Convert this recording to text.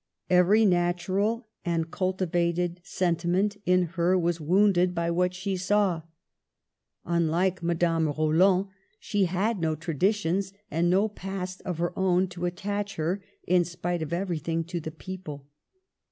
Every natural and cultivated sentiment in her was wounded by what she saw. Unlike Madame Roland, she had no traditions and no past of her own to attach her, in spite of everything, to the people.